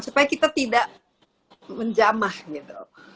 supaya kita tidak menjamah gitu